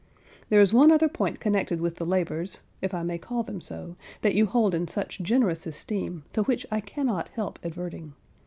There is one other point connected with the labours (if I may call them so) that you hold in such generous esteem, to which I cannot help adverting.